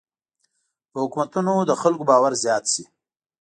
په حکومتونو د خلکو باور زیات شي.